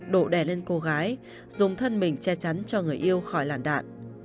đổ đè lên cô gái dùng thân mình che chắn cho người yêu khỏi làn đạn